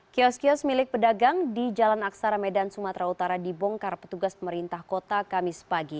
kios kios milik pedagang di jalan aksara medan sumatera utara dibongkar petugas pemerintah kota kamis pagi